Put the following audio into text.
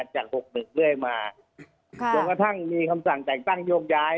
จากหกหนึ่งเรื่อยมาค่ะจนกระทั่งมีคำสั่งแต่งตั้งยกย้าย